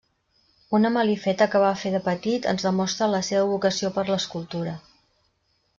Una malifeta que va fer de petit ens demostra la seva vocació per l'escultura.